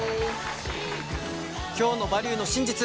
今日の「バリューの真実」